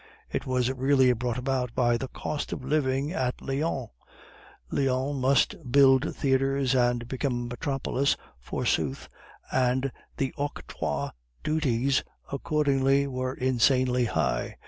It was really brought about by the cost of living at Lyons; Lyons must build theatres and become a metropolis, forsooth, and the octroi duties accordingly were insanely high.